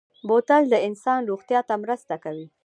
بوتل د انسان روغتیا ته مرسته کوي.